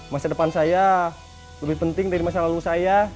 masa depan saya lebih penting dari masa lalu saya